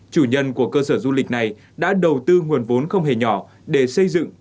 chủ nhân của cơ sở du lịch này đã đầu tư nguồn vốn không hề nhỏ để xây dựng